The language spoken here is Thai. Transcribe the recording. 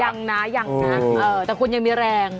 อ๋อยังนะแต่คุณยังมีแรง